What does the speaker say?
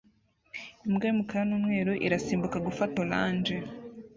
Imbwa y'umukara n'umweru irasimbuka gufata orange